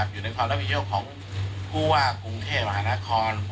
อยู่ในความรับผิดชอบของผู้ว่ากรุงเทพมหานคร